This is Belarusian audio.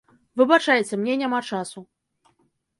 Выбачайце, мне няма часу.